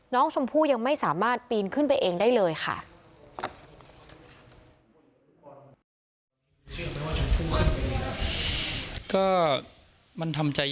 น้องชมพู่ยังไม่สามารถปีนขึ้นไปเองได้เลยค่ะ